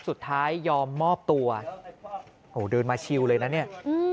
สุดท้ายยอมมอบตัวโอ้โหเดินมาชิวเลยนะเนี่ย